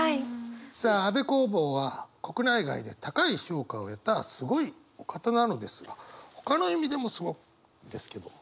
さあ安部公房は国内外で高い評価を得たすごいお方なのですがほかの意味でもすごいんですけどお。